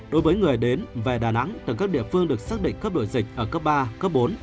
đối với người đến về đà nẵng từ các địa phương được xác định cấp đổi dịch ở cấp ba cấp bốn